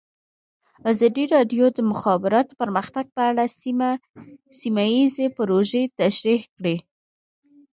ازادي راډیو د د مخابراتو پرمختګ په اړه سیمه ییزې پروژې تشریح کړې.